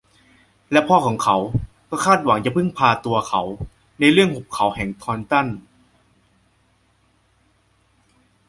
และพ่อของเขาก็คาดหวังจะพึ่งพาตัวเขาในเรื่องหุบเขาแห่งทอนตัน